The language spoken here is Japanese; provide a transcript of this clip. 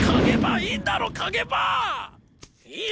いいよ！